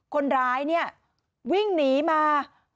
คนร้ายเนี่ยวิ่งหนีมา